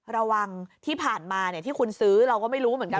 ระวังที่ผ่านมาที่คุณซื้อเราก็ไม่รู้เหมือนกัน